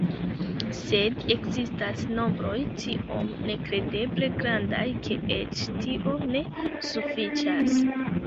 Sed ekzistas nombroj tiom nekredeble grandaj, ke eĉ tio ne sufiĉas.